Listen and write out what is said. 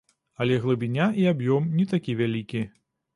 Але глыбіня і аб'ём не такі вялікі.